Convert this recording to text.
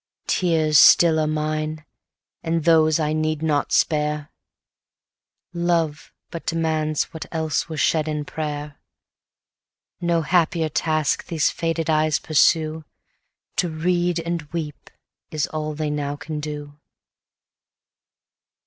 Tears still are mine, and those I need not spare, Love but demands what else were shed in prayer; No happier task these faded eyes pursue; To read and weep is all they now can do.